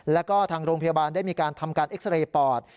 แล้วก็ทางโรงพยาบาลได้มีการทำการเอ็กซาเรย์ปอด